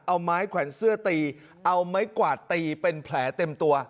เอาไม้แขวนเสื้อตีเอาไม้กวาดตีเป็นแผลเต็มตัว